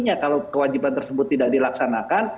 jika kewajiban tersebut tidak dilaksanakan